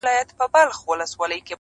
د موبايل ټول تصويرونهيېدلېپاتهسي,